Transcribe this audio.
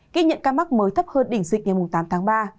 ghi nhận ca mắc mới thấp hơn đỉnh dịch ngày tám tháng ba